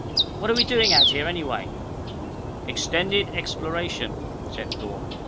"What are we doing out here anyway?" "Extended Exploration," said Thorne.